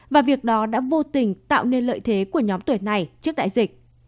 và việc đó đã vô tình tạo nên lợi thế của nhóm tuổi này trước đại dịch